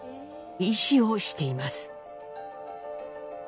医師をしています。